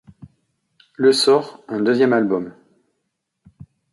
Le sort un deuxième album, '.